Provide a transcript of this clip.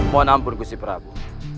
mohon ampun gusti prabu